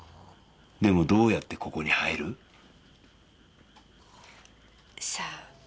でもどうやってここに入る？さあ。